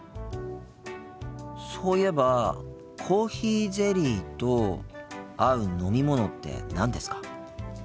そういえばコーヒーゼリーと合う飲み物って何ですか？